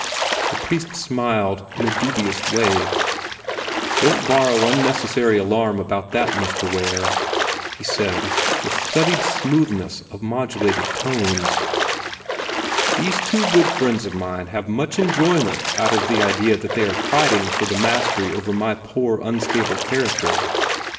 The priest smiled in a dubious way. "Don't borrow unnecessary alarm about that, Mr. Ware," he said, with studied smoothness of modulated tones. "These two good friends of mine have much enjoyment out of the idea that they are fighting for the mastery over my poor unstable character.